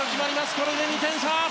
これで２点差。